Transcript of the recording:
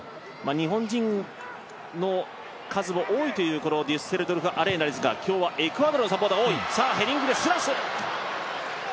日本人の数も多いというデュッセルドルフ・アレーナですが今日はエクアドルのサポーターが多い。